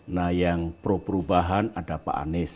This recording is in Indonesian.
nah yang pro perubahan ada pak anies